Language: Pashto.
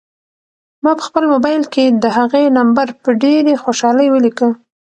ما په خپل موبایل کې د هغې نمبر په ډېرې خوشحالۍ ولیکه.